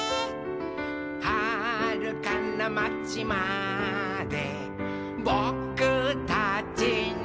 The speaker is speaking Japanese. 「はるかなまちまでぼくたちの」